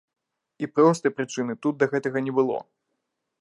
І простай прычыны тут да гэтага не было.